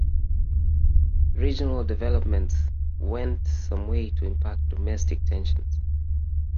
Regional developments went some way to impact domestic tensions.